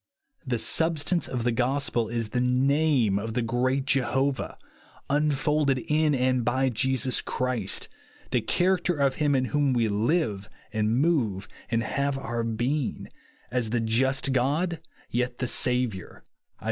The substance of the gospel is the name of the great Jehovah, imfolded in and by Jesus Christ ; the ciia racter of him in whom we " live and move and have our being," as the "iust God, yet the Saviour," (Is.